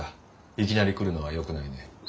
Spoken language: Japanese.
いきなり来るのはよくないね。